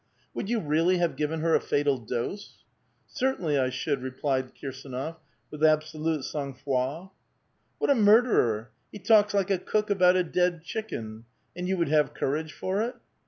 " Would you really have given her a fatal dose?" " Certainly I should," replied Kirsdnof, with absolute sang froid, " What a murderer! He talks like a cook about a dead chicken ! And you would have courage for it?"